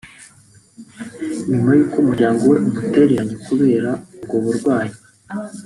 nyuma y’uko umuryango we umutereranye kubera ubwo burwayi